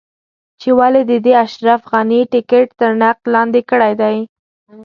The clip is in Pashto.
چې ولې دې د اشرف غني ټکټ تر نقد لاندې کړی دی.